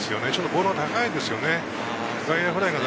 ボールが高いです。